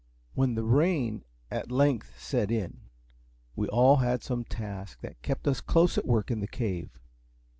When the rain at length set in, we all had some task that kept us close at work in the cave.